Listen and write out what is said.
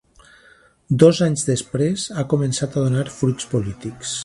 Dos anys després, ha començat a donar fruits polítics.